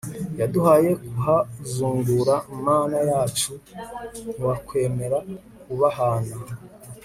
waduhaye kuhazungura Mana yacu ntiwakwemera kubahana